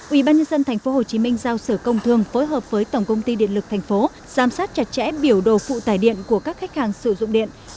ủy ban nhân dân tp hcm giao sở công thương phối hợp với tổng công ty điện lực tp hcm giám sát chặt chẽ biểu đồ phụ tải điện của các khách hàng sử dụng điện